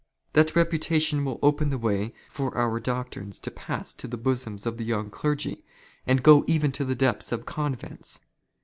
" That reputation will open the way for our doctrines to pass " to the bosoms of the young clergy, and go even to the depths of " convents.